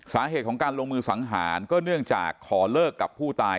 สาเหตุของการลงมือสังหารก็เนื่องจากขอเลิกกับผู้ตาย